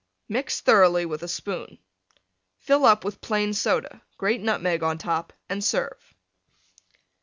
Mix thoroughly with a spoon. Fill up with Plain Soda; grate Nutmeg on top and serve.